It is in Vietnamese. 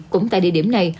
cũng tại địa điểm này